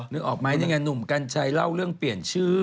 นึกออกไหมนี่ไงหนุ่มกัญชัยเล่าเรื่องเปลี่ยนชื่อ